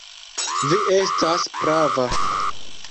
Vi estas prava.